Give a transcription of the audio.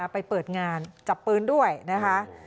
ไปเปิดงานจับปืนด้วยนะคะ